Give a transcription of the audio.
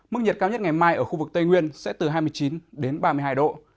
mức nhiệt cao nhất ngày mai ở khu vực tây nguyên sẽ từ hai mươi chín đến ba mươi hai độ